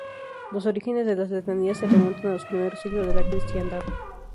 Los orígenes de las letanías se remontan a los primeros siglos de la cristiandad.